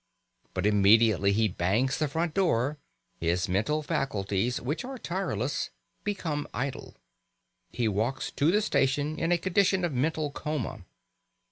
But immediately he bangs the front door his mental faculties, which are tireless, become idle. He walks to the station in a condition of mental coma.